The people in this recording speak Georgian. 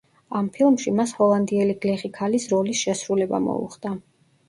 ამ ფილმში მას ჰოლანდიელი გლეხი ქალის როლის შესრულება მოუხდა.